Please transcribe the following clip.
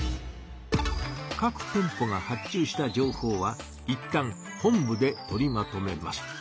各店舗が発注した情報はいったん本部で取りまとめます。